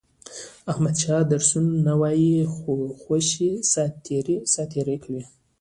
احمد درسونه نه وایي، خوشې ساتېري کوي.